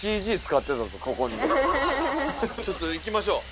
ちょっと行きましょう。